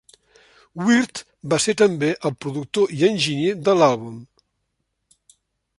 Wirt va ser també el productor i enginyer de l'àlbum.